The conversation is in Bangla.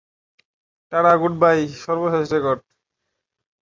নদীটিতে সারাবছর পানিপ্রবাহ থাকে।